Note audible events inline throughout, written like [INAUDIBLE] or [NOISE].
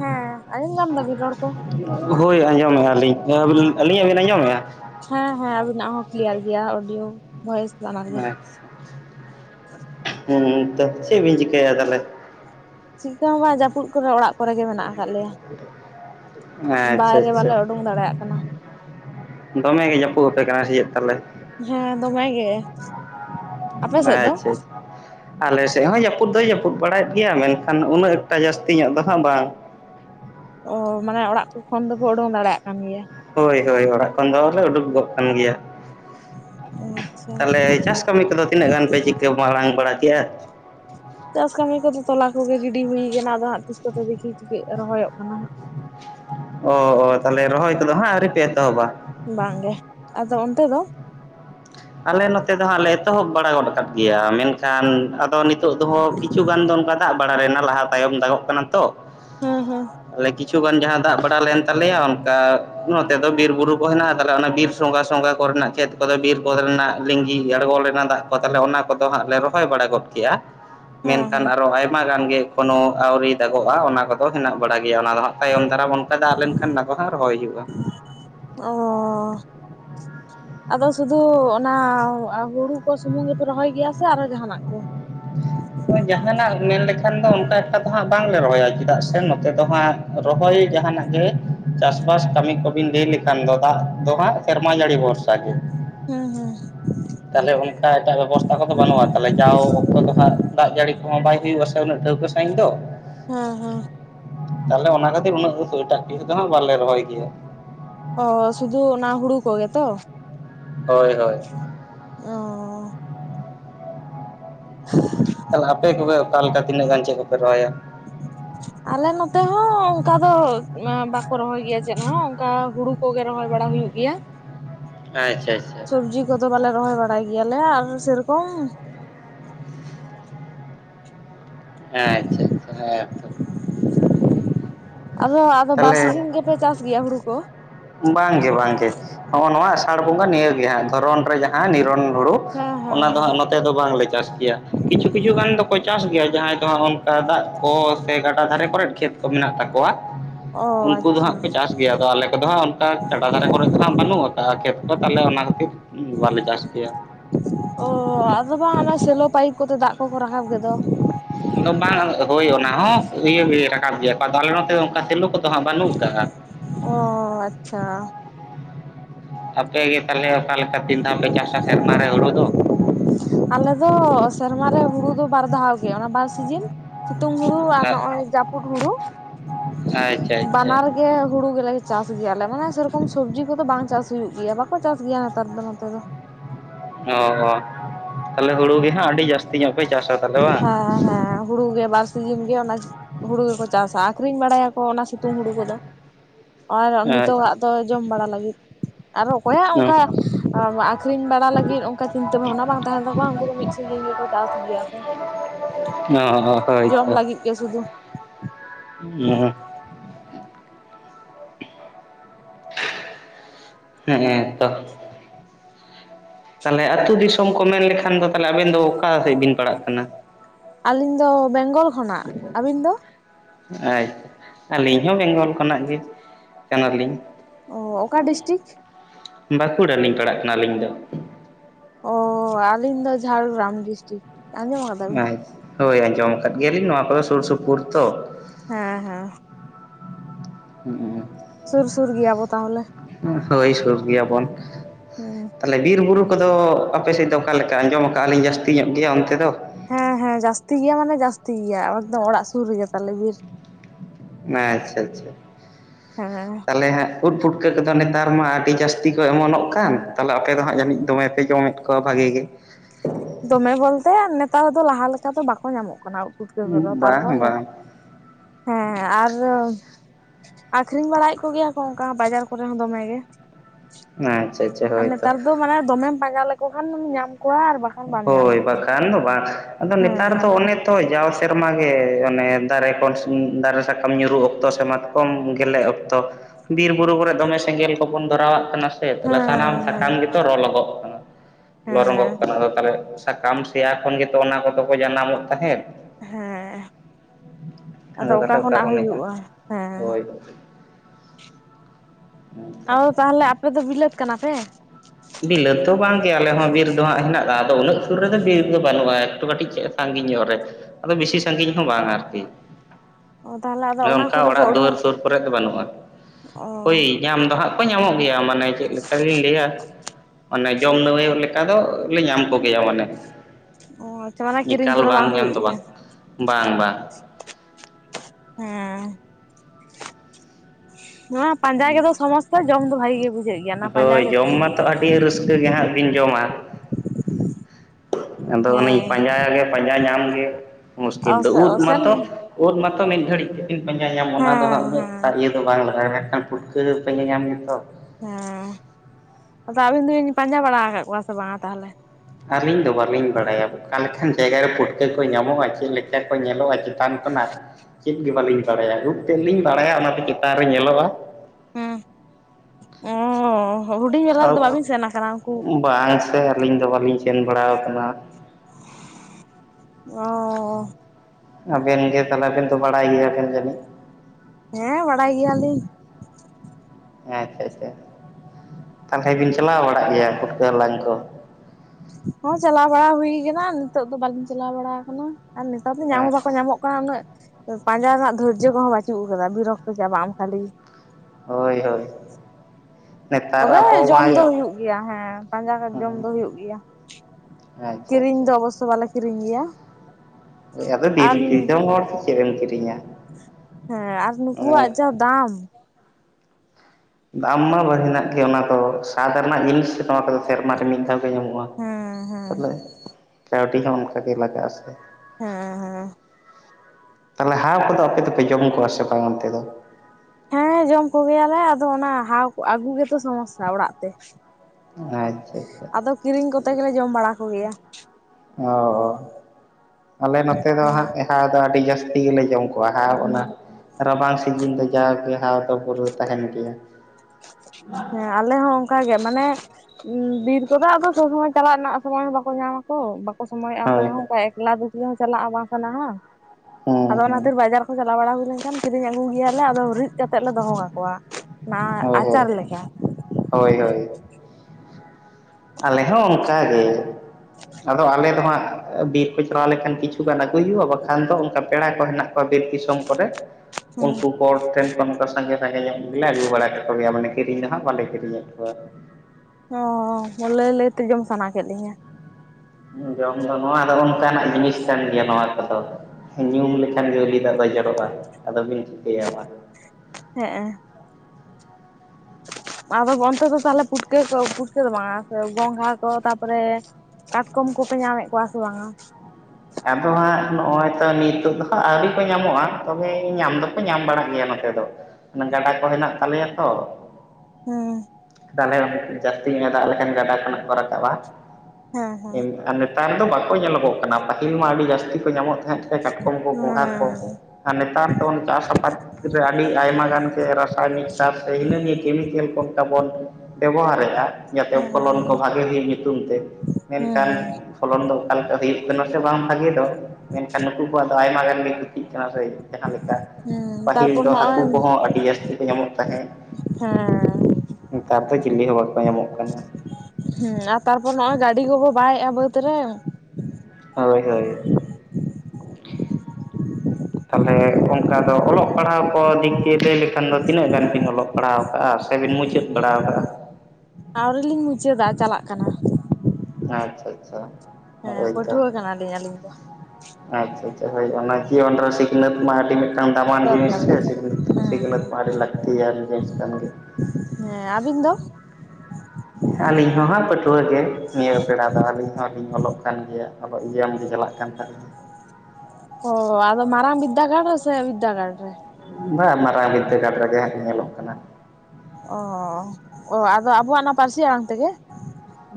ᱦᱮᱸ ᱟᱸᱡᱚᱢ ᱧᱟᱢ ᱫᱟᱵᱤᱱ ᱨᱚᱲ ᱠᱚ? [INAUDIBLE] ᱦᱳᱭ ᱟᱸᱡᱚᱢᱮᱜᱼᱟ ᱞᱤᱧ ᱾ ᱟᱹᱞᱤᱧᱟᱜ ᱵᱤᱱ ᱟᱸᱡᱚᱢᱮᱜᱼᱟ? ᱦᱮᱸ ᱦᱮᱸ ᱟᱵᱤᱱᱟᱜ ᱦᱚᱸ ᱠᱞᱤᱭᱟᱨ ᱜᱮᱭᱟ ᱚᱰᱤᱭᱳ, ᱵᱷᱚᱭᱮᱥ ᱾ ᱟᱪᱪᱷᱟ, ᱦᱩᱸ ᱛᱚ ᱪᱮᱫ ᱵᱮᱱ ᱪᱤᱠᱭᱮᱜᱼᱟ ᱛᱟᱦᱚᱞᱮ? ᱪᱤᱠᱟᱹ ᱦᱚᱸ ᱵᱟ ᱡᱟᱹᱯᱩᱫ ᱠᱚᱨᱮ ᱚᱲᱟᱜ ᱠᱚᱨᱮ ᱜᱮ ᱢᱮᱱᱟᱜ ᱟᱠᱟᱫ ᱞᱮᱭᱟ ᱾ ᱟᱪᱪᱷᱟ ᱵᱟᱭᱨᱮ ᱟᱪᱪᱷᱟ ᱵᱟᱞᱮ ᱩᱰᱩᱠ ᱫᱟᱲᱮᱭᱟᱜ ᱠᱟᱱᱟ ᱾ ᱫᱚᱢᱮ ᱜᱮ ᱡᱟᱹᱯᱩᱫ ᱟᱯᱮ ᱠᱟᱱᱟ ᱥᱮ ᱪᱮᱫ ᱛᱟᱞᱦᱮ? ᱦᱮᱸ ᱫᱚᱢᱮ ᱜᱮ ᱾ ᱟᱪᱪᱷᱟ ᱾ ᱟᱞᱮ ᱥᱮᱫ ᱦᱚᱸ ᱡᱟᱹᱯᱩᱫ ᱫᱚᱭ ᱡᱟᱹᱯᱩᱫ ᱵᱟᱲᱟᱭᱮᱫ ᱜᱮᱭᱟ, ᱢᱮᱱᱠᱷᱟᱱ ᱩᱱᱟᱹᱜ ᱮᱠᱴᱟ ᱡᱟᱹᱥᱛᱤ ᱧᱚᱜ ᱫᱚ ᱦᱟᱸᱜ ᱵᱟᱝ ᱾ ᱚᱻ ᱢᱟᱱᱮ ᱚᱲᱟᱜ ᱠᱚ ᱠᱷᱚᱱ ᱫᱚ ᱯᱮ ᱩᱰᱩᱝ ᱫᱟᱲᱮᱭᱟᱜ ᱠᱟᱱ ᱜᱮᱭᱟ? ᱦᱳᱭ ᱦᱳᱭ ᱚᱲᱟᱜ ᱠᱷᱚᱱ ᱫᱚᱞᱮ ᱩᱰᱩᱠ ᱜᱚᱜ ᱠᱟᱱ ᱜᱮᱭᱟ, ᱟᱪᱪᱷᱟ ᱛᱟᱞᱦᱮ ᱪᱟᱥ ᱠᱟᱹᱢᱤ ᱠᱚ ᱫᱚ ᱛᱤᱱᱟᱹᱜ ᱜᱟᱱ ᱯᱮ ᱪᱤᱠᱟᱹ ᱢᱟᱬᱟᱝ ᱵᱟᱲᱟ ᱠᱮᱜᱼᱟ? ᱪᱟᱥ ᱠᱟᱹᱢᱤ ᱠᱚᱫᱚ ᱛᱚᱞᱟ ᱠᱚ ᱜᱮ ᱜᱤᱰᱤ ᱦᱩᱭ ᱠᱟᱱᱟ ᱾ ᱟᱫᱚ ᱦᱟᱸᱜ ᱛᱤᱥ ᱠᱚᱛᱮ ᱫᱮᱠᱷᱤ ᱪᱤᱠᱟᱹᱜ ᱨᱚᱦᱚᱭᱚᱜ ᱠᱟᱱᱟ ᱦᱟᱸᱜ? ᱚ ᱚ ᱛᱟᱦᱚᱞᱮ ᱨᱚᱦᱚᱭ ᱠᱚᱫᱚ ᱦᱟᱸᱜ ᱟᱹᱣᱨᱤ ᱯᱮ ᱮᱛᱚᱦᱚᱵᱟ? ᱵᱟᱝ ᱜᱮ, ᱟᱫᱚ ᱚᱱᱛᱮ ᱫᱚ? ᱟᱞᱮ ᱱᱚᱛᱮ ᱫᱚ ᱦᱟᱸᱜ ᱞᱮ ᱮᱛᱚᱦᱚᱵ ᱵᱟᱲᱟ ᱜᱚᱫ ᱠᱟᱜ ᱜᱮᱭᱟ ᱾ ᱢᱮᱱᱠᱷᱟᱱ ᱟᱫᱚ ᱱᱤᱛᱚᱜ ᱫᱚᱦᱚ ᱠᱤᱪᱷᱩ ᱜᱟᱱ ᱫᱚ ᱚᱱᱠᱟ ᱫᱟᱜ ᱵᱟᱲᱟ ᱨᱮᱱᱟ, ᱞᱟᱦᱟ ᱛᱟᱭᱚᱢ ᱫᱟᱜᱚᱜ ᱠᱟᱱᱟ ᱛᱚ ᱾ ᱦᱮᱸ ᱦᱮᱸ ᱾ ᱟᱞᱮ ᱠᱤᱪᱷᱩ ᱜᱟᱱ ᱡᱟᱦᱟᱸ ᱫᱟᱜ ᱵᱟᱲᱟ ᱞᱮᱱ ᱛᱟᱞᱮᱭᱟ ᱚᱱᱠᱟ, ᱱᱚᱛᱮ ᱫᱚ ᱵᱤᱨ ᱵᱩᱨᱩ ᱠᱚ ᱦᱮᱱᱟᱜᱼᱟ ᱾ ᱛᱟᱦᱞᱮ ᱚᱱᱟ ᱵᱤᱨ ᱥᱚᱸᱜᱷᱟ ᱥᱚᱸᱜᱷᱟ ᱠᱚ ᱨᱮᱱᱟᱜ ᱠᱷᱮᱛ ᱠᱚᱫᱚ ᱵᱤᱨ ᱠᱚ ᱨᱮᱱᱟᱜ ᱞᱤᱸᱜᱤ ᱟᱬᱜᱚ ᱞᱮᱱᱟ ᱫᱟᱜ ᱠᱚ, ᱛᱟᱞᱦᱮ ᱚᱱᱟ ᱠᱚᱫᱚ ᱦᱟᱸᱜ ᱞᱮ ᱨᱚᱦᱚᱭ ᱵᱟᱲᱟ ᱜᱚᱫ ᱠᱮᱜᱼᱟ ᱾ ᱦᱮᱸ ᱢᱮᱱᱠᱷᱟᱱ ᱦᱮᱸ ᱟᱨᱚ ᱟᱭᱢᱟ ᱜᱟᱱ ᱜᱮ ᱠᱳᱱᱳ ᱟᱹᱣᱨᱤ ᱫᱟᱜᱚᱜᱼᱟ ᱚᱱᱟ ᱠᱚᱫᱚ ᱦᱮᱱᱟᱜ ᱵᱟᱲᱟ ᱜᱮᱭᱟ ᱾ ᱚᱱᱟ ᱫᱚ ᱦᱟᱸᱜ ᱛᱟᱭᱚᱢ ᱫᱟᱨᱟᱢ ᱚᱱᱠᱟ ᱫᱟᱜ ᱞᱮᱱᱠᱷᱟᱱ, ᱚᱱᱟ ᱠᱚ ᱦᱟᱸᱜ ᱨᱚᱦᱚᱭ ᱦᱩᱭᱩᱜᱼᱟ᱾ ᱚᱻ ᱟᱫᱚ ᱥᱩᱫᱩ ᱚᱱᱟᱻ ᱦᱩᱲᱩ ᱠᱚ ᱥᱩᱢᱩᱝ ᱜᱮᱯᱮ ᱨᱚᱦᱚᱭ ᱜᱮᱭᱟ ᱥᱮ ᱟᱨᱚ ᱡᱟᱦᱟᱱᱟᱜ ᱠᱚ? ᱡᱟᱦᱟᱱᱟᱜ ᱢᱮᱱ ᱞᱮᱠᱷᱟᱱ ᱫᱚ ᱚᱱᱠᱟ ᱮᱴᱟᱜ ᱫᱚ ᱦᱟᱸᱜ ᱵᱟᱝ ᱞᱮ ᱨᱚᱦᱚᱭᱟ ᱾ ᱪᱮᱫᱟᱜ ᱥᱮ ᱱᱚᱛᱮ ᱫᱚ ᱦᱟᱸᱜ ᱨᱚᱦᱚᱭ ᱡᱟᱦᱟᱱᱟᱜ ᱜᱮ ᱪᱟᱥᱵᱟᱥ ᱠᱟᱹᱢᱤ ᱠᱚ ᱵᱤᱱ ᱞᱟᱹᱭ ᱞᱮᱠᱷᱟᱱ ᱫᱚ, ᱫᱟᱜ ᱫᱚ ᱦᱟᱸᱜ ᱥᱮᱨᱢᱟ ᱡᱟᱹᱲᱤ ᱵᱷᱚᱨᱥᱟ ᱜᱮ ᱦᱩᱸ ᱦᱩᱸ ᱾ ᱛᱟᱞᱦᱮ ᱚᱱᱠᱟ ᱮᱴᱟᱜ ᱵᱮᱵᱚᱥᱛᱷᱟ ᱠᱚᱫᱚ ᱵᱟᱹᱱᱩᱜᱼᱟ ᱛᱟᱞᱦᱮ ᱡᱟᱣ ᱠᱚ ᱫᱚ ᱦᱟᱸᱜ ᱫᱟᱜ ᱡᱟᱹᱲᱤ ᱠᱚᱦᱚᱸ ᱵᱟᱭ ᱦᱩᱭᱩᱜᱼᱟ ᱥᱮ ᱩᱱᱟᱹᱜ ᱴᱷᱟᱹᱣᱠᱟᱹ ᱥᱟᱺᱦᱤᱡ ᱫᱚ ᱾ ᱦᱮᱸ ᱦᱮᱸ ᱛᱟᱦᱞᱮ ᱚᱱᱟ ᱠᱷᱟᱹᱛᱤᱨ ᱩᱱᱟᱹᱜ ᱦᱩ ᱫᱚ ᱮᱴᱟᱜ ᱯᱤᱥ ᱫᱚᱦᱟᱸᱜ ᱵᱟᱞᱮ ᱨᱚᱦᱚᱭ ᱜᱮᱭᱟ ᱚ ᱥᱩᱫᱩ ᱚᱱᱟ ᱦᱩᱲᱩ ᱠᱚᱜᱮ ᱛᱚ? ᱦᱳᱭ ᱦᱳᱭ ᱚ ᱛᱟᱞᱮ ᱟᱯᱮ ᱠᱚᱜᱮ ᱚᱠᱟᱮ ᱞᱮᱠᱟ ᱛᱤᱱᱟᱹᱜ ᱜᱟᱱ ᱪᱮᱫ ᱠᱚᱯᱮ ᱨᱚᱦᱚᱭᱟ? ᱟᱞᱮ ᱱᱚᱛᱮ ᱦᱚᱸ ᱚᱝᱠᱟ ᱫᱚ ᱵᱟᱠᱚ ᱨᱚᱦᱚᱭ ᱜᱮᱭᱟ ᱪᱮᱫ ᱦᱚ ᱚᱝᱠᱟ ᱦᱩᱲᱩ ᱠᱚᱜᱮ ᱨᱚᱦᱚᱭ ᱵᱟᱲᱟ ᱦᱩᱭᱩᱜ ᱜᱮᱭᱟ ᱟᱪᱪᱷᱟ ᱟᱪᱪᱷᱟ ᱥᱚᱵᱽᱡᱤ ᱠᱚᱫᱚ ᱵᱟᱞᱮ ᱨᱚᱦᱚᱭ ᱵᱟᱲᱟᱭ ᱜᱮᱭᱟᱞᱮ ᱟᱨ ᱥᱮ ᱨᱚᱠᱚᱢ, [INAUDIBLE] ᱟᱪᱪᱷᱟ ᱟᱪᱪᱷᱟ ᱦᱮᱸ ᱛᱚ ᱟᱫᱚ ᱟᱫᱚ ᱵᱟᱨ ᱛᱟᱦᱚᱞᱮ ᱥᱤᱡᱤᱱ ᱜᱮᱯᱮ ᱪᱟᱥ ᱜᱮᱭᱟ ᱦᱩᱲᱩ ᱠᱚ? ᱵᱟᱝᱜᱮ ᱵᱟᱝᱜᱮ ᱦᱚᱜ-ᱚ ᱱᱚᱣᱟ ᱟᱥᱟᱲ ᱵᱚᱸᱜᱟ ᱱᱤᱭᱟᱹᱜᱮ ᱦᱟᱸᱜ ᱫᱷᱚᱨᱚᱱ ᱨᱮ ᱡᱟᱦᱟᱸ ᱱᱤᱨᱚᱱ ᱦᱩᱲᱩ᱾ ᱦᱮᱸ ᱦᱮᱸ ᱚᱱᱟ ᱫᱚ ᱦᱮᱸ ᱦᱟᱸᱜ ᱱᱚᱛᱮ ᱫᱚ ᱵᱟᱝᱞᱮ ᱪᱟᱥ ᱜᱮᱭᱟ ᱠᱤᱪᱷᱩ ᱠᱤᱪᱷᱩ ᱜᱟᱱ ᱫᱚᱠᱚ ᱪᱟᱥ ᱜᱮᱭᱟ ᱡᱟᱦᱟᱸᱭ ᱫᱚ ᱦᱟᱸᱜ ᱚᱱᱠᱟ ᱫᱟᱜ ᱠᱚ ᱥᱮ ᱜᱟᱰᱟ ᱫᱷᱟᱨᱮ ᱠᱚᱨᱮᱫ ᱠᱷᱮᱛ ᱠᱚ ᱢᱮᱱᱟᱜ ᱛᱟ ᱠᱚᱣᱟᱜ ᱚ ᱩᱱᱠᱩ ᱫᱚ ᱟᱪᱪᱷᱟ ᱦᱟᱸᱜ ᱠᱚ ᱪᱟᱥ ᱜᱮᱭᱟ ᱟᱫᱚ ᱟᱞᱮ ᱠᱚᱫᱚ ᱦᱟᱸᱜ ᱚᱱᱠᱟ ᱜᱟᱰᱟ ᱫᱷᱟᱨᱮ ᱠᱚᱨᱮ ᱫᱚ ᱦᱟᱸᱜ ᱵᱟᱹᱱᱩᱜ ᱠᱟᱜᱼᱟ ᱠᱷᱮᱛ ᱠᱚ ᱛᱟᱦᱚᱞᱮ ᱚᱱᱟ ᱠᱷᱟᱹᱛᱤᱨ ᱵᱟᱞᱮ ᱪᱟᱥ ᱜᱮᱭᱟ ᱚ ᱟᱫᱚ ᱵᱟᱝ ᱚᱱᱟ ᱥᱮᱞᱳ ᱯᱟᱭᱤᱯ ᱠᱚᱛᱮ ᱫᱟᱜ ᱠᱚᱠᱚ ᱨᱟᱠᱟᱵᱽ ᱜᱮᱫᱚ ᱟᱫᱚ ᱵᱟᱝ ᱦᱳᱭ ᱚᱱᱟ ᱦᱚᱸ ᱤᱭᱟᱹ ᱨᱟᱠᱟᱵ ᱜᱮᱭᱟ ᱠᱚ ᱟᱫᱚ ᱟᱞᱮ ᱱᱚᱛᱮ ᱫᱚ ᱚᱝᱠᱟ ᱥᱮᱞᱳ ᱠᱚᱫᱚ ᱦᱟᱸᱜ ᱵᱟᱹᱱᱩᱜ ᱠᱟᱜᱼᱟ᱾ ᱚ ᱟᱪᱪᱷᱟ ᱟᱯᱮ ᱜᱮ ᱛᱟᱞᱦᱮ ᱚᱠᱟ ᱞᱮᱠᱟ ᱛᱤᱱ ᱫᱷᱟᱣ ᱯᱮ ᱪᱟᱥᱟ ᱥᱮᱨᱢᱟ ᱨᱮ ᱦᱩᱲᱩ ᱫᱚ? ᱟᱞᱮ ᱫᱚ ᱥᱮᱨᱢᱟ ᱨᱮ ᱦᱩᱲᱩ ᱫᱚ ᱵᱟᱨ ᱫᱷᱟᱣ ᱜᱮ ᱚᱱᱟ ᱵᱟᱨ ᱥᱤᱡᱤᱱ, ᱥᱤᱛᱩᱝ ᱦᱩᱲᱩ ᱟᱨ ᱱᱚᱜᱚᱭ ᱡᱟᱹᱯᱩᱫ ᱦᱩᱲᱩ ᱟᱪᱪᱷᱟ ᱟᱪᱪᱷᱟ ᱵᱟᱱᱟᱨ ᱜᱮ ᱦᱩᱲᱩ ᱜᱮᱞᱮ ᱪᱟᱥ ᱜᱮᱭᱟᱞᱮ ᱢᱟᱱᱮ ᱥᱮ ᱨᱚᱠᱚᱢ ᱥᱚᱵᱽᱡᱤ ᱠᱚᱫᱚ ᱵᱟᱝ ᱪᱟᱥ ᱦᱩᱭᱩᱜ ᱜᱮᱭᱟ ᱵᱟᱠᱚ ᱪᱟᱥ ᱜᱮᱭᱟ ᱱᱮᱛᱟᱨ ᱫᱚ ᱱᱚᱛᱮ ᱫᱚ᱾ ᱚ ᱛᱟᱦᱞᱮ ᱦᱩᱲᱩ ᱜᱮ ᱦᱟᱸᱜ ᱟᱹᱰᱤ ᱡᱟᱹᱥᱛᱤ ᱧᱚᱜ ᱯᱮ ᱪᱟᱥᱟ? ᱛᱟᱦᱚᱞᱮ ᱵᱟᱝ? ᱦᱮᱸ ᱦᱮᱸ ᱦᱩᱲᱩ ᱜᱮ ᱵᱟᱨ ᱥᱤᱡᱤᱱ ᱜᱮ ᱚᱱᱟ ᱦᱩᱲᱩ ᱜᱮᱠᱚ ᱪᱟᱥᱟ ᱟᱠᱷᱨᱤᱧ ᱵᱟᱲᱟᱭᱟ ᱠᱚ ᱚᱱᱟ ᱥᱤᱛᱩᱝ ᱦᱩᱲᱩ ᱠᱚᱫᱚ ᱟᱨ ᱱᱤᱛᱚᱜᱟᱜ ᱫᱚ ᱡᱚᱢ ᱵᱟᱲᱟ ᱞᱟᱹᱜᱤᱫ ᱟᱨᱚ ᱚᱠᱚᱭᱟᱜ ᱚᱝᱠᱟ ᱟᱠᱷᱨᱤᱧ ᱵᱟᱲᱟ ᱞᱟᱹᱜᱤᱫ ᱚᱝᱠᱟ ᱪᱤᱱᱛᱟᱹ ᱵᱷᱟᱵᱽᱱᱟ ᱵᱟᱝ ᱛᱟᱦᱮᱱ ᱛᱟᱠᱚᱣᱟ ᱩᱱᱠᱩ ᱫᱚ ᱢᱤᱫ ᱥᱤᱡᱤᱱ ᱜᱮᱠᱚ ᱪᱟᱥ ᱜᱮᱭᱟ ᱠᱚ ᱚ ᱡᱚᱢ ᱦᱳᱭᱛᱚ ᱞᱟᱹᱜᱤᱫ ᱜᱮ ᱥᱩᱫᱷᱩ ᱦᱚᱸ ᱦᱮᱸᱮ ᱛᱚ ᱛᱟᱦᱞᱮ ᱟᱹᱛᱩ ᱫᱤᱥᱚᱢ ᱠᱚ ᱢᱮᱱ ᱞᱮᱠᱷᱟᱱ ᱫᱚ ᱛᱟᱦᱞᱮ ᱟᱵᱮᱱ ᱫᱚ ᱚᱠᱟ ᱥᱮᱫ ᱵᱤᱱ ᱯᱟᱲᱟᱜ ᱠᱟᱱᱟ ᱟᱹᱞᱤᱧ ᱫᱚ ᱵᱮᱝᱜᱚᱞ ᱠᱷᱚᱱᱟᱜ ᱟᱹᱵᱤᱱ ᱫᱚ ᱟᱪᱪᱷᱟ ᱟᱹᱞᱤᱧ ᱦᱚᱸ ᱵᱮᱝᱜᱚᱞ ᱠᱷᱚᱱᱟᱜ ᱜᱮ ᱠᱟᱱᱟᱞᱤᱧ ᱚ ᱚᱠᱟ ᱰᱤᱥᱴᱤᱠ ᱵᱟᱸᱠᱩᱲᱟ ᱞᱤᱧ ᱯᱟᱲᱟᱜ ᱠᱟᱱᱟ ᱟᱹᱞᱤᱧ ᱫᱚ ᱚᱻ ᱟᱹᱞᱤᱧ ᱫᱚ ᱡᱷᱟᱲᱜᱨᱟᱢ ᱰᱤᱥᱴᱤᱠ ᱟᱸᱡᱚᱢ ᱟᱠᱟᱫᱟ ᱵᱤᱱ ᱟᱡ ᱦᱳᱭ ᱟᱸᱡᱚᱢ ᱟᱠᱟᱫ ᱜᱮᱭᱟᱞᱤᱧ ᱱᱚᱣᱟ ᱠᱚᱫᱚ ᱥᱩᱨ ᱥᱩᱯᱩᱨ ᱛᱚ ᱦᱮᱸ ᱦᱮᱸ ᱦᱩᱸ ᱥᱩᱨ ᱥᱩᱨ ᱜᱮᱭᱟᱵᱚ ᱛᱟᱦᱚᱞᱮ ᱦᱳᱭ ᱥᱩᱨ ᱜᱮᱭᱟᱵᱚᱱ ᱦᱩᱸ ᱛᱟᱦᱚᱞᱮ ᱵᱤᱨ ᱵᱩᱨᱩ ᱠᱚᱫᱚ ᱟᱯᱮᱥᱮᱫ ᱫᱚ ᱚᱠᱟ ᱞᱮᱠᱟ ᱟᱸᱡᱚᱢ ᱟᱠᱟᱜ ᱟᱞᱤᱧ ᱡᱟᱹᱥᱛᱤ ᱧᱚᱜ ᱜᱮᱭᱟ ᱚᱱᱛᱮ ᱫᱚ ᱦᱮᱸ ᱦᱮᱸ ᱡᱟᱹᱥᱛᱤ ᱜᱮᱭᱟ ᱢᱟᱱᱮ ᱡᱟᱹᱥᱛᱤ ᱜᱮᱭᱟ ᱮᱠᱫᱚᱢ ᱚᱲᱟᱜ ᱥᱩᱨ ᱨᱮᱜᱮ ᱛᱟᱞᱮ ᱵᱤᱨ ᱟᱪᱪᱷᱟ ᱟᱪᱪᱷᱟ ᱦᱮᱸ ᱛᱟᱞᱦᱮ ᱦᱟᱸᱜ ᱩᱫ ᱯᱷᱩᱴᱠᱟᱹ ᱠᱚᱫᱚ ᱱᱮᱛᱟᱨ ᱢᱟ ᱟᱹᱰᱤ ᱡᱟᱹᱥᱛᱤ ᱠᱚ ᱚᱢᱚᱱᱚᱜ ᱠᱟᱱ ᱛᱟᱦᱞᱮ ᱟᱯᱮᱫᱚ ᱦᱟᱸᱜ ᱡᱟᱹᱱᱤᱡ ᱫᱚᱢᱮ ᱯᱮ ᱡᱚᱢᱮᱫ ᱠᱚᱣᱟ ᱵᱷᱟᱜᱮ ᱜᱮ ᱫᱚᱢᱮ ᱵᱚᱞᱛᱮ ᱱᱮᱛᱟᱨ ᱫᱚ ᱞᱟᱦᱟ ᱞᱮᱠᱟ ᱫᱚ ᱵᱟᱠᱚ ᱧᱟᱢᱚᱜ ᱠᱟᱱᱟ ᱯᱩᱴᱠᱟᱹ ᱠᱚᱫᱚ ᱵᱟᱝ ᱛᱟᱨᱯᱚᱨ ᱦᱮᱸ ᱵᱟᱝ ᱟᱨ ᱟᱠᱷᱨᱤᱧ ᱵᱟᱲᱟᱭᱮᱫ ᱠᱚ ᱜᱮᱭᱟ ᱠᱚ ᱚᱱᱠᱟ ᱵᱟᱡᱟᱨ ᱠᱚᱨᱮ ᱦᱚᱸ ᱫᱚᱢᱮ ᱜᱮ ᱾ ᱟᱪᱪᱷᱟ ᱟᱪᱪᱷᱟ ᱟᱨ ᱦᱳᱭᱛᱚ ᱱᱮᱛᱟᱨ ᱫᱚ ᱢᱟᱱᱮ ᱫᱚᱢᱮᱢ ᱯᱟᱸᱡᱟ ᱞᱮᱠᱚ ᱠᱷᱟᱱᱮᱢ ᱧᱟᱢ ᱠᱚᱣᱟ ᱟᱨ ᱵᱟ ᱦᱳᱭ ᱵᱟᱠᱷᱟᱱ ᱫᱚ ᱵᱟᱝ ᱾ ᱟᱫᱚ ᱱᱮᱛᱟᱨ ᱫᱚ ᱚᱱᱮ ᱦᱳᱭ ᱡᱟᱣ ᱥᱮᱨᱢᱟ ᱜᱮ, ᱚᱱᱮ ᱫᱟᱨᱮ ᱠᱷᱚᱱ [UNINTELLIGIBLE] ᱫᱟᱨᱮ ᱥᱟᱠᱟᱢ ᱧᱩᱨᱩᱜ ᱚᱠᱛᱚ ᱥᱮᱢᱟ ᱠᱚᱢ ᱜᱮᱞᱮ ᱚᱠᱛᱚ, ᱵᱤᱨ ᱵᱩᱨᱩ ᱠᱚᱨᱮ ᱫᱚᱢᱮ ᱥᱮᱸᱜᱮᱞ ᱠᱚᱵᱚᱱ ᱫᱷᱚᱨᱟᱣᱟᱜ ᱠᱟᱱᱟ ᱾ ᱛᱮ ᱛᱟᱞᱦᱮ ᱦᱮᱸ ᱥᱟᱱᱟᱢ ᱦᱮᱸ ᱥᱟᱠᱟᱢ ᱜᱮᱛᱚ ᱨᱚ ᱞᱚᱜᱚᱜ ᱠᱟᱱᱟ, ᱞᱚ ᱨᱚᱸᱜᱚᱜ ᱦᱮᱸ ᱟᱫᱚ ᱛᱟᱦᱞᱮ, ᱥᱟᱠᱟᱢ ᱥᱮᱭᱟ ᱠᱷᱚᱱ ᱜᱮᱛᱚ ᱚᱱᱟ ᱠᱚᱫᱚ ᱠᱚ ᱡᱟᱱᱟᱢᱚᱜ ᱛᱟᱦᱮᱸᱫ ᱦᱮᱸ ᱾ ᱟᱫᱚ ᱛᱟᱦᱞᱮ ᱚᱠᱟ ᱠᱷᱚᱱᱟᱜ ᱠᱷᱚᱱ ᱦᱮᱡ ᱮᱱᱟ? ᱦᱩᱭᱩᱜᱼᱟ ᱦᱮᱸ ᱦᱳᱭ ᱾ ᱟᱫᱚ ᱛᱟᱦᱚᱞᱮ ᱟᱯᱮ ᱫᱚ ᱵᱤᱞᱟᱹᱛ ᱠᱟᱱᱟ ᱯᱮ? ᱵᱤᱞᱟᱹᱛ ᱫᱚ ᱵᱟᱝ ᱜᱮ, ᱟᱞᱮ ᱦᱚᱸ ᱵᱤᱨ ᱫᱚ ᱦᱟᱸᱜ ᱦᱮᱱᱟᱜ-ᱟ ᱾ ᱟᱫᱚ ᱩᱱᱟᱹᱜ ᱥᱩᱨ ᱨᱮᱫᱚ ᱵᱤᱨ ᱫᱚ ᱵᱟᱹᱱᱩᱜᱼᱟ, ᱮᱠᱴᱩ ᱠᱟᱹᱴᱤᱡ ᱪᱮᱫ ᱥᱟᱺᱜᱤᱧ ᱧᱚᱜ ᱨᱮ, ᱟᱫᱚ ᱵᱮᱥᱤ ᱥᱟᱺᱜᱤᱧ ᱦᱚᱸ ᱵᱟᱝ ᱟᱨᱠᱤ ᱚ ᱛᱟᱦᱚᱞᱮ ᱾ ᱟᱫᱚ ᱚᱱᱟ ᱚᱱᱠᱟ ᱚᱲᱟᱜ ᱫᱩᱣᱟᱹᱨ ᱥᱩᱨ ᱠᱚᱨᱮ ᱫᱚ ᱵᱟᱹᱱᱩᱜᱼᱟ ᱾ ᱚᱻ ᱾ ᱧᱟᱢ ᱫᱚ ᱦᱟᱸᱜ ᱠᱚ ᱧᱟᱢᱚᱜ ᱜᱮᱭᱟ, ᱢᱟᱱᱮ ᱪᱮᱫ ᱞᱮᱠᱟ ᱞᱤᱧ ᱞᱟᱹᱭᱟ? ᱢᱟᱱᱮ ᱡᱚᱢ ᱱᱟᱹᱣᱟᱭᱚᱜ ᱞᱮᱠᱟ ᱫᱚ ᱞᱮ ᱧᱟᱢ ᱠᱚ ᱜᱮᱭᱟ ᱢᱟᱱᱮ ᱾ ᱚ ᱟᱪᱪᱷᱟ ᱢᱟᱱᱮ ᱠᱤᱨᱤᱧ ᱠᱚᱫᱚ ᱵᱟᱝ ᱧᱟᱢ ᱦᱩᱭᱩᱜ ᱫᱚ ᱜᱮᱭᱟ ᱵᱟᱝ ᱾ ᱵᱟᱝ ᱵᱟᱝ ᱾ ᱦᱮᱸᱻ ᱾ ᱱᱚᱣᱟ ᱯᱟᱸᱡᱟ ᱜᱮᱫᱚ ᱥᱚᱢᱚᱥᱥᱟ, ᱡᱚᱢ ᱫᱚ ᱵᱷᱟ. ᱜᱤ ᱜᱮ ᱵᱩᱡᱷᱟᱹᱜ ᱜᱮᱭᱟ ᱚᱱᱟ ᱯᱟᱸᱡᱟ ᱦᱳᱭ ᱜᱮᱛᱚ ᱡᱚᱢ ᱾ ᱢᱟᱛᱚ ᱟᱹᱰᱤ ᱨᱟᱹᱥᱠᱟᱹ ᱜᱮ ᱦᱟᱸᱜ ᱵᱤᱱ ᱡᱚᱢᱟ ᱾ ᱟᱫᱚ ᱚᱱᱮᱧ ᱦᱮᱸ ᱯᱟᱸᱡᱟ ᱜᱮ ᱯᱟᱸᱡᱟ ᱧᱟᱢ ᱜᱮ ᱢᱩᱥᱠᱤᱞ ᱫᱚ ᱚᱥᱮ ᱾ ᱩᱫ ᱚᱥᱮᱱ ᱢᱟᱛᱚ ᱩᱫ ᱢᱟᱛᱚ ᱢᱤᱫ ᱜᱷᱟᱹᱲᱤᱡ ᱛᱮ ᱵᱤᱱ ᱯᱟᱸᱡᱟ ᱧᱟᱢᱟ, ᱚᱱᱟ ᱫᱚ ᱦᱟᱸᱜ ᱦᱮᱸ ᱩᱱᱟᱹᱜ ᱦᱮᱸ ᱴᱟ ᱤᱭᱟᱹ ᱵᱟᱝ ᱞᱟᱜᱟᱜᱼᱟ, ᱢᱮᱱᱠᱷᱟᱱ ᱯᱩᱴᱠᱟᱹ ᱯᱟᱸᱡᱟ ᱧᱟᱢ ᱜᱮᱛᱚ ᱾ ᱦᱮᱸᱻ, ᱟᱫᱚ ᱟᱹᱵᱤᱱ ᱫᱚ ᱵᱤᱱ ᱯᱟᱸᱡᱟ ᱵᱟᱲᱟ ᱟᱠᱟᱫ ᱠᱚᱣᱟ ᱥᱮ ᱵᱟᱝᱟ ᱛᱟᱦᱚᱞᱮ? ᱟᱹᱞᱤᱧ ᱫᱚ ᱵᱟᱹᱞᱤᱧ ᱵᱟᱲᱟᱭᱟ ᱾ ᱚᱠᱟ ᱞᱮᱠᱟᱱ ᱡᱟᱭᱜᱟ ᱨᱮ ᱯᱩᱴᱠᱟᱹ ᱠᱚ ᱧᱟᱢᱚᱜᱼᱟ? ᱪᱮᱫ ᱞᱮᱠᱟ ᱠᱚ ᱧᱮᱞᱚᱜᱼᱟ ᱪᱮᱛᱟᱱ ᱠᱷᱚᱱᱟᱜ? ᱪᱮᱫ ᱜᱮ ᱵᱟᱹᱞᱤᱧ ᱵᱟᱲᱟᱭᱟ ᱾ ᱨᱩᱯ ᱛᱮᱫ ᱞᱤᱧ ᱵᱟᱲᱟᱭᱟ ᱚᱱᱟᱛᱮ ᱪᱮᱛᱟᱱ ᱨᱮ ᱧᱮᱞᱚᱜᱼᱟ ᱾ ᱦᱩᱸ ᱚᱻ ᱦᱩᱰᱤᱧ ᱵᱮᱞᱟ ᱨᱮᱫᱚ ᱵᱟᱹᱵᱤᱱ ᱥᱮᱱ ᱟᱠᱟᱱᱟ ᱩᱱᱠᱩ? ᱵᱟᱝ ᱥᱮ ᱟᱞᱤᱧ ᱫᱚ ᱵᱟᱞᱤᱧ ᱥᱮᱱ ᱵᱟᱲᱟᱣ ᱟᱠᱟᱱᱟ ᱾ ᱚᱻ ᱾ ᱟᱵᱮᱱ ᱜᱮ ᱛᱟᱦᱚᱞᱮ ᱟᱵᱮᱱ ᱫᱚ ᱵᱟᱲᱟᱭ ᱜᱮᱭᱟ ᱵᱮᱱ ᱡᱟᱹᱱᱤᱡ? ᱦᱮᱸ ᱵᱟᱲᱟᱭ ᱜᱮᱭᱟᱞᱤᱧ ᱾ ᱟᱪᱪᱷᱟ ᱟᱪᱪᱷᱟ, ᱛᱟᱦᱚᱞᱮ ᱵᱤᱱ ᱪᱟᱞᱟᱣ ᱵᱟᱲᱟᱜ ᱜᱮᱭᱟ ᱯᱩᱴᱠᱟᱹ ᱦᱟᱞᱟᱝ ᱠᱚ? ᱦᱚᱸ ᱪᱟᱞᱟᱣ ᱵᱟᱲᱟ ᱦᱩᱭ ᱠᱟᱱᱟ ᱱᱤᱛᱚᱜ ᱫᱚ ᱵᱟᱹᱞᱤᱧ ᱪᱟᱞᱟᱣ ᱵᱟᱲᱟ ᱠᱟᱱᱟ ᱟᱨ ᱱᱮᱛᱟᱨ ᱫᱚ ᱧᱟᱢ ᱦᱚᱸ ᱟᱪᱪᱷᱟ ᱵᱟᱠᱚ ᱧᱟᱢᱚᱜ ᱾ ᱠᱟᱱᱟ ᱚᱠᱟ ᱩᱱᱟᱹᱜ ᱯᱟᱸᱡᱟ ᱨᱮᱱᱟᱜ ᱫᱷᱳᱨᱡᱚ ᱠᱚᱦᱚᱸ ᱵᱟᱹᱪᱩᱜ ᱟᱠᱟᱫᱟ, ᱵᱤᱨᱚᱠᱛᱚ ᱪᱟᱵᱟᱜ ᱟᱢ ᱠᱷᱟᱹᱞᱤ ᱾ ᱦᱳᱭ ᱦᱳᱭ ᱾ ᱛᱚᱵᱮ ᱡᱚᱢ ᱫᱚ ᱦᱩᱭᱩᱜ ᱜᱮᱭᱟ ᱦᱮᱸ, ᱯᱟᱸᱡᱟ ᱠᱚ ᱡᱚᱢ ᱫᱚ ᱦᱩᱭᱩᱜ ᱜᱮᱭᱟ ᱾ ᱟᱪᱪᱷᱟ ᱠᱤᱨᱤᱧ ᱟᱪᱪᱷᱟ ᱫᱚ ᱚᱵᱚᱥᱥᱳ ᱵᱟᱞᱮ ᱠᱤᱨᱤᱧ ᱜᱮᱭᱟ ᱾ ᱦᱳᱭ ᱟᱫᱚ ᱵᱤᱨ ᱫᱤᱥᱚᱢ ᱦᱚᱲ ᱪᱮᱫ ᱵᱮᱱ ᱠᱤᱨᱤᱧᱟ? ᱦᱮᱸ ᱟᱨ ᱱᱩᱠᱩᱣᱟᱜ ᱡᱟ ᱫᱟᱢ ᱾ ᱫᱟᱢ ᱢᱟ ᱵᱷᱟᱜᱤᱱᱟᱜ ᱜᱮ ᱚᱱᱟ ᱫᱚ, ᱥᱟᱫᱷ ᱨᱮᱱᱟᱜ ᱡᱤᱱᱤᱥ ᱱᱚᱣᱟ ᱠᱚᱫᱚ ᱥᱮᱨᱢᱟ ᱨᱮ ᱢᱤᱫ ᱫᱷᱟᱣ ᱜᱮ ᱧᱟᱢᱚᱜᱼᱟ ᱦᱮᱸ ᱾ ᱦᱮᱸ ᱛᱟᱦᱚᱞᱮ ᱠᱟᱹᱣᱰᱤ ᱦᱚᱸ ᱚᱱᱠᱟ ᱜᱮ ᱞᱟᱜᱟᱜᱼᱟ ᱥᱮ ᱾ ᱦᱮᱸ ᱦᱮᱸ ᱾ ᱛᱟᱦᱚᱞᱮ ᱦᱟᱣ ᱠᱚᱫᱚ ᱟᱯᱮ ᱫᱚᱯᱮ ᱡᱚᱢ ᱠᱚᱣᱟ ᱥᱮ ᱵᱟᱝ ᱚᱱᱛᱮ ᱫᱚ? ᱦᱮᱸ ᱡᱚᱢ ᱠᱚ ᱜᱮᱭᱟᱞᱮ, ᱟᱫᱚ ᱚᱱᱟ ᱦᱟᱣ ᱟᱜᱩ ᱜᱮᱛᱚ ᱥᱚᱢᱚᱥᱥᱟ ᱚᱲᱟᱜ ᱛᱮ ᱾ ᱟᱪᱪᱷᱟ ᱟᱪᱪᱷᱟ ᱟᱫᱚ ᱠᱤᱨᱤᱧ ᱠᱚᱛᱮ ᱜᱮᱞᱮ ᱡᱚᱢ ᱵᱟᱲᱟ ᱠᱚ ᱜᱮᱭᱟ ᱾ ᱚ ᱚ ᱟᱞᱮ ᱱᱚᱛᱮ ᱫᱚ ᱦᱮᱸ ᱦᱟᱸᱜ ᱦᱟᱣ ᱫᱚ ᱟᱹᱰᱤ ᱡᱟᱹᱥᱛᱤ ᱜᱮᱞᱮ ᱡᱚᱢ ᱠᱚᱣᱟ, ᱦᱟᱣ ᱚᱱᱟ ᱨᱟᱵᱟᱝ ᱥᱤᱡᱤᱱ ᱫᱚ ᱡᱟᱣᱜᱮ ᱦᱟᱣ ᱫᱚ ᱯᱩᱨᱟᱹ ᱛᱟᱦᱮᱱ ᱜᱮᱭᱟ ᱾ ᱦᱮᱸ ᱟᱞᱮ ᱦᱚᱸ ᱚᱱᱠᱟ ᱜᱮ, ᱢᱟᱱᱮ ᱵᱤᱨ ᱠᱚᱫᱚ ᱟᱫᱚ ᱥᱚᱵ ᱥᱚᱢᱚᱭ ᱪᱟᱞᱟᱜ ᱨᱮᱱᱟᱜ ᱥᱚᱢᱚᱭ ᱦᱚᱸ ᱵᱟᱠᱚ ᱧᱟᱢ ᱟᱠᱚ ᱾ ᱥᱚᱢᱚᱭᱚᱜᱼᱟ ᱚᱠᱚᱭ ᱦᱳᱭ ᱦᱚᱸ ᱚᱱᱠᱟ ᱮᱠᱞᱟ ᱫᱩᱠᱞᱟᱹ ᱦᱚᱸ ᱪᱟᱞᱟᱜᱼᱟ ᱵᱟᱝ ᱥᱟᱱᱟᱜ ᱦᱟᱸ ᱦᱩᱸ ᱟᱫᱚ ᱚᱱᱟ ᱦᱩᱸ ᱠᱷᱟᱹᱛᱤᱨ ᱵᱟᱡᱟᱨ ᱪᱟᱞᱟᱣ ᱵᱟᱲᱟ ᱦᱩᱭ ᱞᱮᱱᱠᱷᱟᱱ ᱠᱤᱨᱤᱧ ᱟᱹᱜᱩ ᱜᱮᱭᱟᱞᱮ ᱟᱫᱚ ᱨᱤᱫ ᱠᱟᱛᱮᱜ ᱞᱮ ᱫᱚᱦᱚ ᱠᱟᱠᱚᱣᱟ᱾ ᱚᱱᱟ ᱦᱳᱭ ᱦᱳᱭ ᱟᱪᱟᱨ ᱞᱮᱠᱟ ᱦᱳᱭ ᱦᱳᱭ ᱟᱞᱮ ᱦᱚᱸ ᱚᱱᱠᱟᱜᱮ ᱟᱫᱚ ᱟᱞᱮ ᱫᱚ ᱦᱟᱸᱜ ᱵᱤᱨ ᱠᱚ ᱪᱟᱞᱟᱣ ᱞᱮᱠᱷᱟᱱ ᱠᱤᱪᱷᱩᱜᱟᱱ ᱟᱹᱜᱩᱭ ᱦᱩᱭᱩᱜᱼᱟ ᱵᱟᱠᱷᱟᱱ ᱫᱚ ᱚᱱᱠᱟ ᱯᱮᱲᱟ ᱠᱚ ᱦᱮᱱᱟᱜ ᱵᱤᱨ ᱫᱤᱥᱚᱢ ᱠᱚᱨᱮ ᱦᱮᱸ ᱩᱱᱠᱩ ᱦᱚᱲ ᱴᱷᱮᱱ ᱠᱷᱚᱱ ᱱᱚᱝᱠᱟ ᱥᱟᱸᱜᱮ ᱥᱟᱸᱜᱮ ᱧᱚᱜ ᱜᱮᱞᱮ ᱟᱹᱜᱩ ᱵᱟᱲᱟ ᱠᱟᱠᱚ ᱜᱮᱭᱟ ᱢᱟᱱᱮ ᱠᱤᱨᱤᱧ ᱫᱚ ᱦᱟᱸᱜ ᱵᱟᱞᱮ ᱠᱤᱨᱤᱧᱮᱫ ᱠᱚᱣᱟ᱾ ᱦᱚᱸ ᱞᱟᱹᱭ ᱞᱟᱹᱭ ᱛᱮ ᱡᱚᱢ ᱥᱟᱱᱟ ᱠᱮᱫ ᱞᱤᱧᱟᱹ᱾ ᱡᱚᱢ ᱫᱚ ᱱᱚᱣᱟ ᱫᱚ ᱚᱱᱠᱟᱱᱟᱜ ᱡᱤᱱᱤᱥ ᱠᱟᱱ ᱜᱮᱭᱟ ᱱᱚᱣᱟ ᱠᱚᱫᱚ ᱧᱩᱢ ᱞᱮᱠᱷᱟᱱ ᱜᱮ ᱩᱞᱤ ᱫᱟᱜ ᱫᱚ ᱡᱚᱨᱚᱜᱼᱟ ᱟᱫᱚ ᱵᱤᱱ ᱪᱤᱠᱟᱹᱭᱟ ᱢᱟ᱾ ᱦᱮᱸᱜ ᱮᱸ ᱟᱫᱚ ᱚᱱᱛᱮ ᱫᱚ ᱛᱟᱦᱚᱞᱮ ᱯᱩᱴᱠᱟᱹ ᱠᱚ ᱯᱩᱴᱠᱟᱹ ᱫᱚ ᱵᱟᱝ ᱟ ᱜᱚᱸᱜᱷᱟ ᱠᱚ ᱛᱟᱯᱚᱨᱮ᱾ ᱠᱟᱴᱠᱚᱢ ᱠᱚᱯᱮ ᱧᱟᱢᱮ ᱠᱚᱣᱟ ᱥᱮ ᱵᱟᱝᱟ᱾ ᱟᱫᱚ ᱦᱟᱸᱜ ᱱᱚᱜᱼᱚᱭ ᱛᱚ ᱱᱤᱛᱚᱜ ᱫᱚ ᱦᱟᱸᱜ ᱟᱹᱣᱨᱤ ᱠᱚ ᱧᱟᱢᱚᱜᱼᱟ ᱛᱚᱵᱮ ᱧᱟᱢ ᱫᱚᱠᱚ ᱧᱟᱢ ᱵᱟᱲᱟᱜ ᱜᱮᱭᱟ ᱱᱚᱛᱮ ᱫᱚ᱾ ᱜᱟᱰᱟ ᱠᱚ ᱦᱮᱱᱟᱜ ᱛᱟᱞᱮᱭᱟ ᱛᱚ ᱦᱮᱸ ᱛᱟᱦᱞᱮ ᱡᱟᱹᱥᱛᱤ ᱧᱚᱜᱼᱮ ᱫᱟᱜ ᱞᱮᱠᱷᱟᱱ ᱜᱟᱰᱟ ᱠᱷᱚᱱᱟᱜ ᱠᱚ ᱨᱟᱠᱟᱵ-ᱟ ᱦᱮᱸ ᱦᱮᱸ ᱤᱧ [INAUDIBLE] ᱟᱨ ᱱ - ᱱᱮᱛᱟᱨ ᱫᱚ ᱵᱟᱠᱚ ᱧᱮᱞᱚᱜᱚᱜ ᱠᱟᱱᱟ ᱯᱟᱹᱦᱤᱞ ᱢᱟ ᱟᱹᱰᱤ ᱡᱟᱹᱥᱛᱤ ᱠᱚ ᱧᱟᱢᱚᱜ ᱛᱟᱦᱮᱸ ᱠᱟᱴᱠᱚᱢ ᱠᱚ ᱜᱚᱸᱜᱷᱟ ᱠᱚ ᱟᱨ ᱱᱮᱛᱟᱨ ᱛᱚ ᱚᱱᱠᱟ ᱥᱟᱯᱟᱴᱷ ᱟᱹᱰᱤ ᱟᱭᱢᱟ ᱜᱟᱱ ᱜᱮ ᱨᱟᱥᱟᱭᱱᱤᱠ ᱥᱟᱨ ᱥᱮ ᱦᱤᱱᱟᱹ ᱱᱤᱭᱟᱹ ᱠᱮᱢᱤᱠᱮᱞ ᱠᱚ ᱛᱟᱵᱚᱱ ᱵᱮᱵᱚᱦᱟᱨᱮᱼᱟ᱾ ᱡᱟᱛᱮ ᱦᱮᱸ ᱯᱷᱚᱞᱚᱱ ᱦᱮᱸ ᱠᱚ ᱵᱷᱟᱜᱮ ᱦᱩᱭᱩᱜ ᱧᱩᱛᱩᱢ ᱛᱮ ᱢᱮᱱᱠᱷᱟᱱ ᱦᱮᱸ ᱯᱷᱚᱞᱚᱱ ᱫᱚ ᱚᱠᱟᱞᱮᱠᱟ ᱦᱩᱭᱩᱜ ᱠᱟᱱᱟ᱾ ᱥᱮ ᱵᱟᱝ ᱵᱷᱟᱜᱮ ᱫᱚ ᱢᱮᱱᱠᱷᱟᱱ ᱱᱩᱠᱩ ᱠᱚᱣᱟᱜ ᱫᱚ ᱟᱭᱢᱟ ᱜᱟᱱ ᱜᱮ ᱜᱤᱛᱤᱡ ᱠᱟᱱᱟ ᱥᱮ ᱡᱟᱦᱟᱸ ᱞᱮᱠᱟ ᱦᱮᱸ ᱯᱟᱹᱦᱤᱞ ᱛᱟᱨᱯᱚᱨ ᱫᱚ ᱱᱚᱜᱼᱚᱭ ᱦᱟᱹᱠᱩ ᱠᱚᱦᱚᱸ ᱟᱹᱰᱤ ᱡᱟᱹᱥᱛᱤ ᱠᱚ ᱧᱟᱢᱚᱜ ᱛᱟᱦᱮᱸᱫ᱾ ᱦᱮᱸ ᱱᱮᱛᱟᱨ ᱫᱚ ᱪᱤᱞᱤ ᱦᱚᱸ ᱵᱟᱠᱚ ᱧᱟᱢᱚᱜ ᱠᱟᱱᱟ᱾ ᱦᱩᱸ ᱟᱨ ᱛᱟᱨᱯᱚᱨ ᱱᱚᱜᱼᱚᱭ ᱜᱟᱹᱰᱤ ᱠᱚᱠᱚ ᱵᱟᱭᱮᱜᱼᱟ ᱵᱟᱹᱫᱽ ᱨᱮ ᱦᱳᱭ ᱦᱳᱭ ᱛᱟᱞᱦᱮ ᱚᱱᱠᱟ ᱫᱚ ᱚᱞᱚᱜ ᱯᱟᱲᱦᱟᱣ ᱠᱚ ᱫᱤᱠ ᱛᱮ ᱞᱟᱹᱭ ᱞᱮᱠᱷᱟᱱ ᱫᱚ ᱛᱤᱱᱟᱹᱜ ᱜᱟᱱ ᱵᱤᱱ ᱚᱞᱚᱜ ᱯᱟᱲᱦᱟᱣ ᱠᱟᱜᱼᱟ ᱥᱮᱵᱤᱱ ᱢᱩᱪᱟᱹᱫ ᱵᱟᱲᱟ ᱠᱟᱜᱼᱟ᱾ ᱟᱹᱣᱨᱤ ᱞᱤᱧ ᱢᱩᱪᱟᱹᱫᱟ ᱪᱟᱞᱟᱜ ᱠᱟᱱᱟ᱾ ᱟᱪᱪᱷᱟ ᱟᱪᱪᱷᱟ ᱦᱮᱸ ᱦᱳᱭᱛᱚ ᱯᱟᱹᱴᱷᱩᱣᱟᱹ ᱠᱟᱱᱟ ᱞᱤᱧ ᱟᱹᱞᱤᱧ ᱫᱚ᱾ ᱟᱪᱪᱷᱟ ᱟᱪᱪᱷᱟ ᱦᱳᱭ ᱚᱱᱟ ᱡᱤᱭᱚᱱ ᱨᱮ ᱥᱤᱠᱷᱱᱟᱹᱛ ᱢᱟ ᱟᱹᱰᱤ ᱢᱤᱫᱴᱟᱝ ᱫᱟᱢᱟᱱ ᱡᱤᱱᱤᱥ ᱫᱚᱨᱠᱟᱨ ᱥᱮ ᱜᱮ ᱥᱤᱠᱷᱱᱟᱹᱛ ᱦᱮᱸ ᱥᱤᱠᱷᱱᱟᱹᱛ ᱦᱮᱸ ᱟᱹᱰᱤ ᱞᱟᱜᱽᱛᱤᱟᱱ ᱡᱤᱱᱤᱥ ᱠᱟᱱ ᱜᱮ ᱦᱮᱸ ᱟᱵᱤᱱ ᱫᱚ ᱟᱹᱞᱤᱧ ᱦᱚᱸ ᱦᱟᱸᱜ ᱯᱟᱹᱴᱷᱩᱣᱟᱹ ᱜᱮ ᱱᱤᱭᱟᱹ ᱵᱮᱲᱟ ᱫᱚ ᱟᱹᱞᱤᱧ ᱦᱚᱸᱞᱤᱧ ᱚᱞᱚᱜ ᱠᱟᱱ ᱜᱮᱭᱟ ᱟᱵᱚᱣᱟᱜ ᱮᱠᱡᱟᱢ ᱜᱮ ᱪᱟᱞᱟᱜ ᱠᱟᱱ ᱠᱷᱟᱡ ᱫᱚ ᱚ ᱟᱫᱚ ᱢᱟᱨᱟᱝ ᱵᱤᱨᱫᱟᱜᱟᱲ ᱨᱮ ᱥᱮ ᱵᱤᱨᱫᱟᱜᱟᱲ ᱨᱮ ᱵᱟᱝ ᱢᱟᱨᱟᱝ ᱵᱤᱨᱫᱟᱹᱜᱟᱲ ᱨᱮᱜᱮ ᱦᱟᱸᱜ ᱤᱧ ᱚᱞᱚᱜ ᱠᱟᱱᱟ᱾ ᱟᱫᱚ ᱟᱵᱚᱣᱟᱜ ᱚᱱᱟ ᱯᱟᱹᱨᱥᱤ ᱟᱲᱟᱝ ᱛᱮᱜᱮ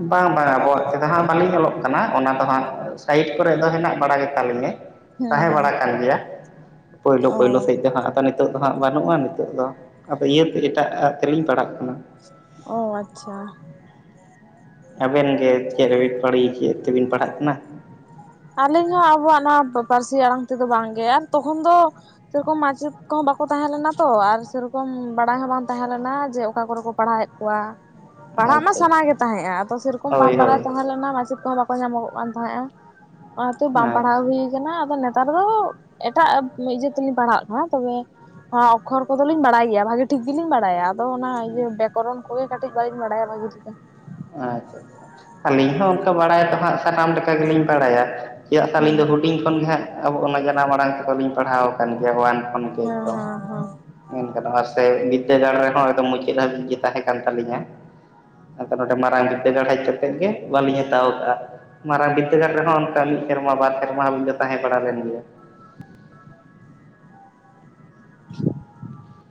ᱵᱟᱝ ᱵᱟᱝ ᱟᱵᱚᱣᱟᱜ ᱛᱮᱫᱚ ᱦᱟᱸᱜ ᱵᱟᱹᱞᱤᱧ ᱚᱞᱚᱜ ᱠᱟᱱᱟ ᱚᱱᱟ ᱫᱚ ᱦᱟᱸᱜ ᱥᱟᱭᱤᱰ ᱠᱚᱨᱮ ᱫᱚ ᱦᱮᱱᱟᱜ ᱵᱟᱲᱟ ᱜᱮᱛᱟ ᱞᱤᱧᱟᱹ᱾ ᱦᱮᱸ ᱛᱟᱦᱮᱸ ᱦᱮᱸ ᱵᱟᱲᱟ ᱠᱟᱱ ᱜᱮᱭᱟ ᱯᱳᱭᱞᱳ ᱚ ᱯᱳᱭᱞᱳ ᱥᱮᱫ ᱫᱚ ᱦᱟᱸᱜ [UNINTELLIGIBLE] ᱱᱤᱛᱚᱜ ᱫᱚ ᱦᱟᱸᱜ ᱵᱟᱹᱱᱩᱜᱼᱟ ᱱᱤᱛᱚᱜ ᱫᱚ ᱟᱫᱚ ᱤᱭᱟᱹᱛᱮ ᱮᱴᱟᱜ ᱟ ᱛᱮᱞᱤᱧ ᱯᱟᱲᱦᱟᱜ ᱠᱟᱱᱟ᱾ ᱚ ᱟᱪᱪᱷᱟ ᱟᱵᱮᱱ ᱜᱮ ᱪᱮᱫ ᱨᱮᱵᱤᱱ ᱪᱮᱫ ᱛᱤᱵᱤᱱ ᱯᱟᱲᱦᱟᱜ ᱠᱟᱱᱟ᱾ ᱟᱹᱞᱤᱧ ᱦᱚᱸ ᱟᱵᱚᱣᱟᱜ ᱱᱚᱣᱟ ᱯᱟᱹᱨᱥᱤ ᱟᱲᱟᱝ ᱛᱮᱫᱚ ᱵᱟᱝᱜᱮ ᱛᱚᱠᱷᱚᱱ ᱫᱚ ᱥᱮᱨᱚᱠᱚᱢ ᱢᱟᱪᱮᱫ ᱠᱚᱦᱚᱸ ᱵᱟᱠᱚ ᱛᱟᱦᱮᱸ ᱞᱮᱱᱟ ᱛᱚ ᱟᱨ ᱥᱮᱨᱚᱠᱚᱢ ᱵᱟᱲᱟᱭ ᱦᱚᱸ ᱵᱟᱝ ᱛᱟᱦᱮᱸ ᱞᱮᱱᱟ ᱡᱮ ᱚᱠᱟ ᱠᱚᱨᱮ ᱠᱚ ᱯᱟᱲᱦᱟᱣᱮᱫ ᱠᱚᱣᱟ᱾ ᱯᱟᱲᱦᱟᱜ ᱢᱟ ᱟᱪᱪᱷᱟ ᱥᱟᱱᱟ ᱟᱪᱪᱷᱟ ᱜᱮ ᱛᱟᱦᱮᱸᱫᱼᱟ ᱟᱫᱚ ᱥᱮᱨᱚᱠᱚᱢ ᱵᱟᱝ ᱦᱳᱭ ᱦᱳᱭ ᱵᱟᱲᱟᱭ ᱛᱟᱦᱮᱸᱞᱮᱱᱟ ᱢᱟᱪᱮᱫ ᱠᱚᱦᱚᱸ ᱵᱟᱠᱚ ᱧᱟᱢᱚᱜᱚᱜ ᱠᱟᱱ ᱛᱟᱦᱮᱸᱫᱼᱟ᱾ ᱚᱱᱟᱛᱮ ᱵᱟᱝ ᱯᱟᱲᱦᱟᱣ ᱟᱪᱪᱷᱟ ᱦᱩᱭ ᱠᱟᱱᱟ ᱟᱫᱚ ᱱᱮᱛᱟᱨ ᱫᱚ ᱮᱴᱟᱜ ᱤᱭᱟᱹ ᱛᱮᱞᱤᱧ ᱯᱟᱲᱦᱟᱜ ᱠᱟᱱᱟ ᱛᱚᱵᱮ ᱚᱠᱠᱷᱚᱨ ᱠᱚᱫᱚᱞᱤᱧ ᱵᱟᱲᱟᱭ ᱜᱮᱭᱟ ᱵᱷᱟᱜᱮ ᱴᱷᱤᱠ ᱜᱤᱞᱤᱧ ᱵᱟᱲᱟᱭᱟ᱾ ᱟᱫᱚ ᱚᱱᱟ ᱤᱭᱟᱹ ᱵᱮᱠᱚᱨᱚᱱ ᱠᱚᱜᱮ ᱠᱟᱹᱴᱤᱡ ᱵᱟᱹᱧ ᱵᱟᱲᱟᱭᱟ ᱵᱷᱟᱹᱜᱤ [UNINTELLIGIBLE] ᱟᱪᱪᱷᱟ ᱟᱹᱞᱤᱧ ᱦᱚᱸ ᱚᱱᱠᱟ ᱵᱟᱲᱟᱭ ᱫᱚ ᱦᱟᱸᱜ ᱥᱟᱱᱟᱢ ᱞᱮᱠᱟ ᱜᱤᱞᱤᱧ ᱵᱟᱲᱟᱭᱟ᱾ ᱪᱮᱫᱟᱜ ᱥᱮ ᱟᱹᱞᱤᱧ ᱫᱚ ᱦᱩᱰᱤᱧ ᱠᱷᱚᱱ ᱜᱮ ᱦᱟᱸᱜ ᱟᱵᱚ ᱚᱱᱟ ᱡᱟᱱᱟᱢ ᱟᱲᱟᱝ ᱛᱮᱫᱚ ᱞᱤᱧ ᱯᱟᱲᱦᱟᱣ ᱠᱟᱱ ᱜᱮᱭᱟ ᱳᱣᱟᱱ ᱠᱷᱚᱱ ᱜᱮ ᱦᱮᱸ ᱦᱮᱸ [INAUDIBLE] ᱢᱮᱱᱜᱟᱱᱚᱜᱼᱟ ᱥᱮ ᱵᱤᱨᱫᱟᱹᱜᱟᱲ ᱨᱮᱦᱚᱸ ᱮᱠᱫᱚᱢ ᱢᱩᱪᱟᱹᱫ ᱦᱟᱹᱵᱤᱡ ᱜᱮ ᱛᱟᱦᱮᱸ ᱠᱟᱱ ᱛᱟᱞᱤᱧᱟ᱾ ᱱᱚᱰᱮ ᱢᱟᱨᱟᱝ ᱵᱤᱨᱫᱟᱹᱜᱟᱲ ᱦᱮᱡ ᱠᱟᱛᱮᱜ ᱜᱮ ᱵᱟᱹᱞᱤᱧ ᱦᱟᱛᱟᱣ ᱠᱟᱜᱼᱟ᱾ ᱢᱟᱨᱟᱝ ᱵᱤᱫᱽᱫᱟᱹᱜᱟᱲ ᱨᱮᱦᱚᱸ ᱚᱱᱠᱟ ᱢᱤᱫ ᱥᱮᱨᱢᱟ ᱵᱟᱨ ᱥᱮᱨᱢᱟ ᱦᱟᱹᱵᱤᱡ ᱫᱚ ᱛᱟᱦᱮᱸ ᱵᱟᱲᱟ ᱞᱮᱱ ᱜᱮᱭᱟ᱾ [INAUDIBLE]